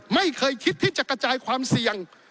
ไม่เคยคิดที่จะกระจายความเสี่ยง